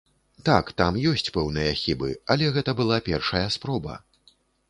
Так, там ёсць пэўныя хібы, але гэта была першая спроба.